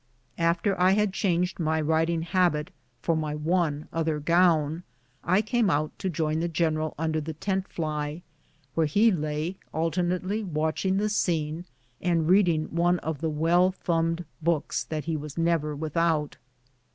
After I had changed my riding habit for my one other gown, I came out to join the general under the tent fly, where he lay alternatelj'' watching the scene and read ing one of the well thumbed books that he was never without.